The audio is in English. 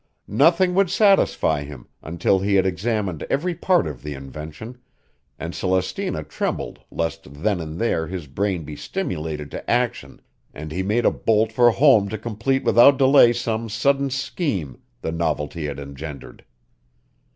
Nothing would satisfy him until he had examined every part of the invention, and Celestina trembled lest then and there his brain be stimulated to action and he make a bolt for home to complete without delay some sudden scheme the novelty had engendered.